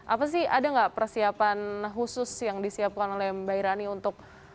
apa sih ada nggak persiapan khusus yang disiapkan oleh mbak irani untuk